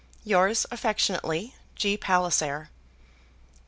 Yours affectionately, G. PALLISER.